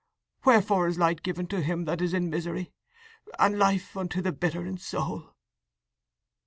Wherefore is light given to him that is in misery, and life unto the bitter in soul?"